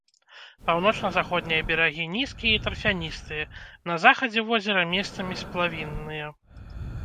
Паўночна-заходнія берагі нізкія і тарфяністыя, на захадзе возера месцамі сплавінныя.